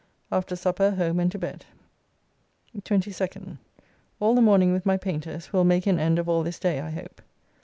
After supper home and to bed. 22nd. All the morning with my painters, who will make an end of all this day I hope.